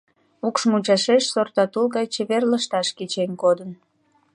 Укш мучашеш сорта тул гай чевер лышташ кечен кодын.